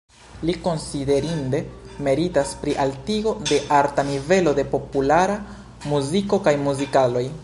Li konsiderinde meritas pri altigo de arta nivelo de populara muziko kaj muzikaloj.